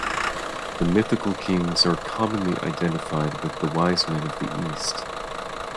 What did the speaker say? The mythical kings are commonly identified with the wise men of the East.